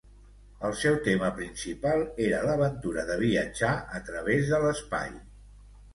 El seu tema principal era l'aventura de viatjar a través de l'espai.